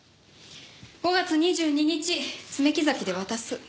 ５月２２日爪木崎で渡す。